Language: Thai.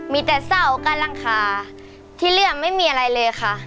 มีแต่เสาการรังคาที่เรื่องไม่มีอะไรเลยค่ะ